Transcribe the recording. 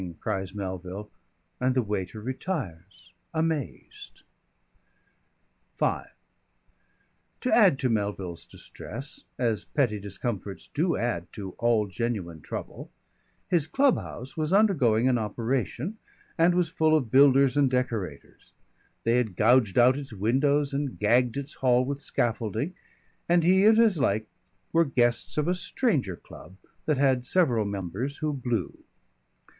cries Melville, and the waiter retires amazed. V To add to Melville's distress, as petty discomforts do add to all genuine trouble, his club house was undergoing an operation, and was full of builders and decorators; they had gouged out its windows and gagged its hall with scaffolding, and he and his like were guests of a stranger club that had several members who blew.